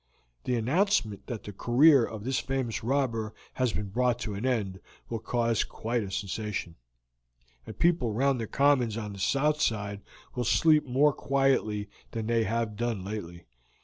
The announcement that the career of this famous robber has been brought to an end will cause quite a sensation, and people round the commons on the south side will sleep more quietly than they have done lately.